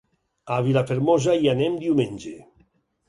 A Vilafermosa hi anem diumenge.